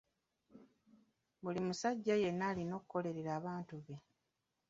Buli musajja yenna alina okukolerera abantu be.